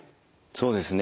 そうですね。